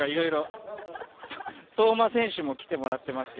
相馬選手にも来てもらってますが。